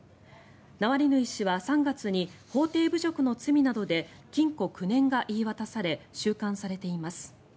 ナワリヌイ氏は３月に法廷侮辱の罪などで禁錮９年が言い渡され収監されています。